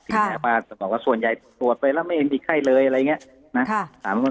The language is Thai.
ถึงแม้ว่าส่วนใหญ่ปวดไปแล้วไม่เห็นมีไข้เลยอะไรอย่างนี้นะ